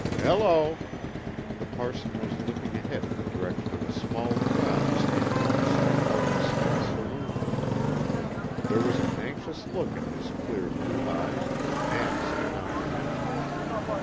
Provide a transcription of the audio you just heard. Hello!" The parson was looking ahead in the direction of a small crowd standing outside Harley Smith's saloon. There was an anxious look in his clear blue eyes, and some comprehension.